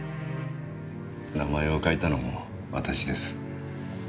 名前を書いたのも私です。